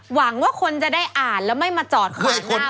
หวังว่าคนจะได้อ่านแล้วไม่มาจอดคุยข้าง